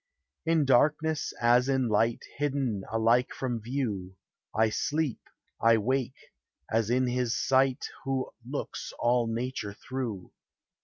In darkness as in light, Hidden alike from view, I sleep, I wake, as in his sight Who looks all nature through.